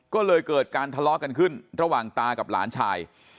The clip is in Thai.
ก็เลยเกิดการทะเลาะกันขึ้นระหว่างตากับหลานชาย